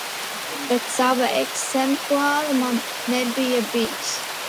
Bet sava eksemplāra man nebija bijis.